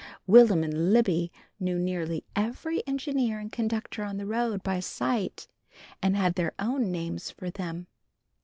Will'm and Libby knew nearly every engineer and conductor on the road by sight, and had their own names for them.